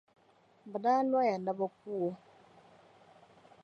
Bɛ daa lɔya ni bɛ ku o.